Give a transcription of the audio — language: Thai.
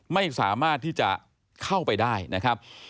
ไม่สามารถที่จะเข้าไปได้นะครับ